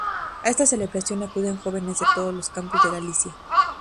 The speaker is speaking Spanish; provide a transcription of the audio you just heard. A esta celebración acuden jóvenes de todos los campus de Galicia.